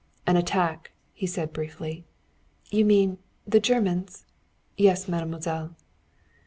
"An attack," he said briefly. "You mean the Germans?" "Yes, mademoiselle."